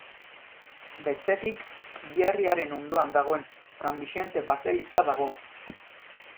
Bestetik, hilerriaren ondoan dagoen San Bixente baseliza dago.